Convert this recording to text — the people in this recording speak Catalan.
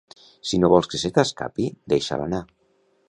Si no vols que se t'escapi deixa'l anar